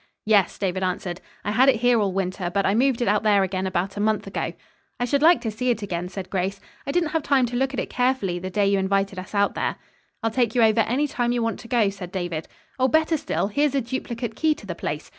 "Yes," David answered. "I had it here all winter, but I moved it out there again about a month ago." "I should like to see it again," said Grace. "I didn't have time to look at it carefully the day you invited us out there." "I'll take you over any time you want to go," said David. "Oh, better still, here's a duplicate key to the place.